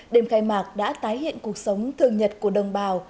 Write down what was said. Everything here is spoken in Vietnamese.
đêm khai mạc đã tái hiện cuộc sống thường nhật của đồng bào